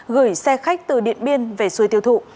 gửi xe khách từ điện biên về xuôi tiêu thụ